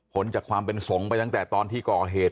จากความเป็นสงฆ์ไปตั้งแต่ตอนที่ก่อเหตุ